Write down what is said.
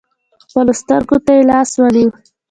خپلو سترکو تې لاس ونیوئ .